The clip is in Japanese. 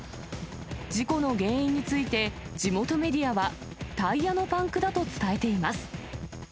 事故の原因について、地元メディアは、タイヤのパンクだと伝えています。